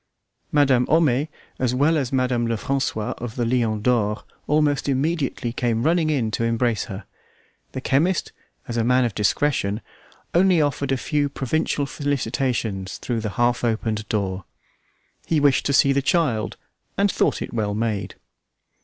Madame Homais, as well as Madame Lefrancois of the Lion d'Or, almost immediately came running in to embrace her. The chemist, as man of discretion, only offered a few provincial felicitations through the half opened door. He wished to see the child and thought it well made.